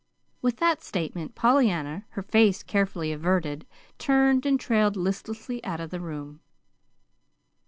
With which statement, Pollyanna, her face carefully averted, turned and trailed listlessly out of the room.